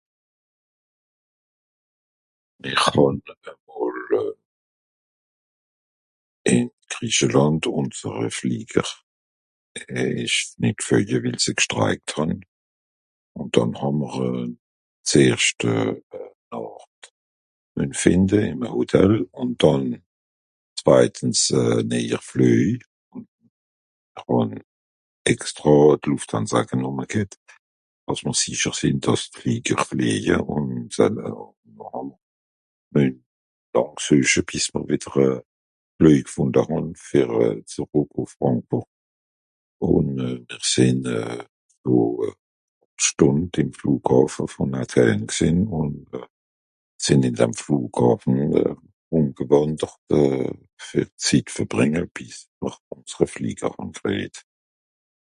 Ìch hà e mol, ìn Griechelànd, ùnsere Flieger ìsch nìt gflöje wil sie gstriekt hàn. Ùn dànn hà mr zeerscht e Nàcht müen fìnde ìm e Hotel ùn dànn zweitens e néier Flöj. Mr hàn extra (...) dàss mr sicher sìnn àss d'Flieger flìeje ùn [unintelligible] sueche bìs mr wìdder e Flöj gfùnde hàn fer euh... zerrùck ùff Bangkok. Ùn euh... mr sìnn e Stùnd ìm Flùghàffe (...) gsìnn ùn sìnn ìn dam Flughàffe rùmgewàndert euh... fer Zitt verbrìnge bìs mr ùnser Flieger krìejt.